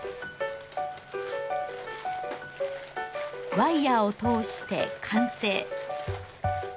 ワイヤーを通して完成。